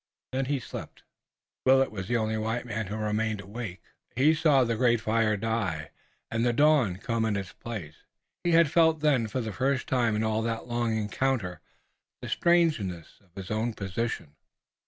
Then he slept. Willet was the only white man who remained awake. He saw the great fire die, and the dawn come in its place. He felt then for the first time in all that long encounter the strangeness of his own position.